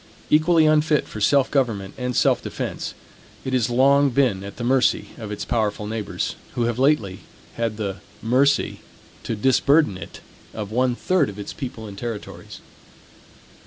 Equally unfit for self government and self defense, it has long been at the mercy of its powerful neighbors; who have lately had the mercy to disburden it of one third of its people and territories.